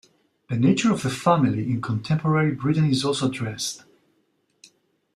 The nature of the family in contemporary Britain is also addressed.